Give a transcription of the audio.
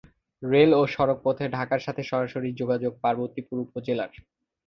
Rail ও সড়ক পথে ঢাকার সাথে সরাসরি যোগাযোগ পার্বতীপুর উপজেলার।